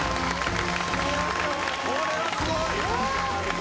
・これはすごい！